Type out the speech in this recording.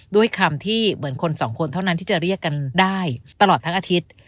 ด้วยคำที่เหมือนคนสองคนเท่านั้นที่จะเรียกกันได้ตลอดทั้งอาทิตย์